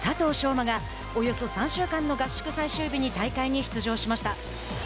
馬がおよそ３週間の合宿最終日に大会に出場しました。